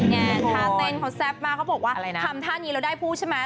นี่ไงทางเต้นของแซ่บมากเขาบอกว่าทำท่านี้เราได้พูดใช่ไหม